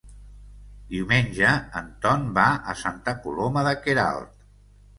Diumenge en Ton va a Santa Coloma de Queralt.